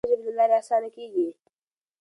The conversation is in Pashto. د علم انتقال د مورنۍ ژبې له لارې اسانه کیږي.